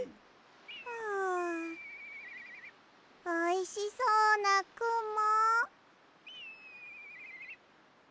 おいしそうなくも。